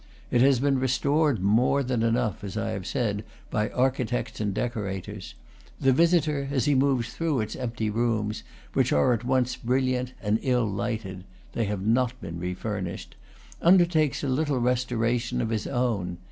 It has been restored more than enough, as I have said, by architects and decorators; the visitor, as he moves through its empty rooms, which are at once brilliant and ill lighted (they have not been re furnished), undertakes a little restoration of his own.